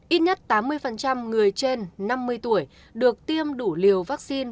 ít nhất tám mươi người trên năm mươi tuổi được tiêm đủ liều vaccine